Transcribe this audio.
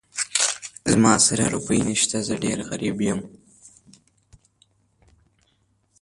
زما سره روپۍ نه شته، زه ډېر غريب يم.